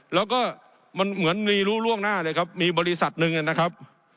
แล้วก็มันเหมือนมีรู้ล่วงหน้าเลยครับมีบริษัทหนึ่งนะครับ